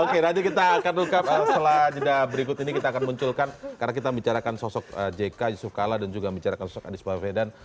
oke nanti kita akan ungkap setelah jeda berikut ini kita akan munculkan karena kita membicarakan sosok jk yusuf kala dan juga membicarakan sosok anies baswedan